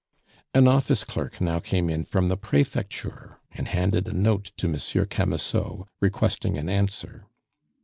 An office clerk now came in from the Prefecture, and handed a note to Monsieur Camusot, requesting an answer.